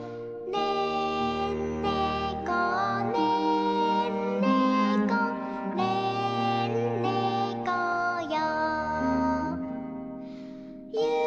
「ねんねこねんねこねんねこよ」